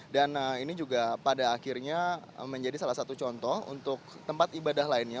dan ini juga pada akhirnya menjadi salah satu contoh untuk tempat ibadah lainnya